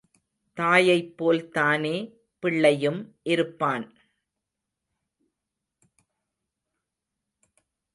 தாயைப் போல்தானே பிள்ளையும் இருப்பான்!